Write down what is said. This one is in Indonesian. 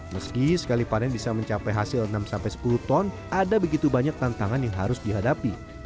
meski sekali panen bisa mencapai hasil enam sepuluh ton ada begitu banyak tantangan yang harus dihadapi